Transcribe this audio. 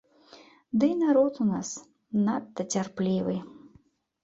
Дый народ у нас надта цярплівы.